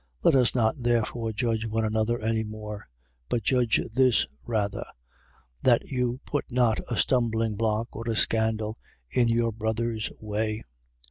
14:13. Let us not therefore judge one another any more. But judge this rather, that you put not a stumblingblock or a scandal in your brother's way.